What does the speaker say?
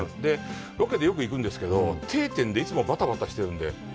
ロケでよく行くんですけど、定点でいつもばたばたしてるので。